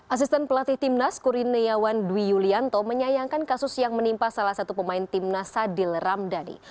asisten pelatih timnas kurniawan dwi yulianto menyayangkan kasus yang menimpa salah satu pemain timnas sadil ramdhani